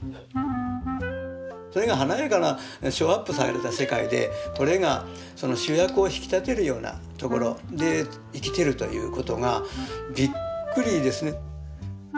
それが華やかなショーアップされた世界でこれが主役を引き立てるようなところで生きてるということがびっくりですね。